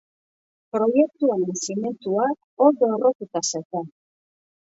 Proiektu honen zimenduak ondo errotuta zeuden.